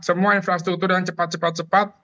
semua infrastruktur yang cepat cepat cepat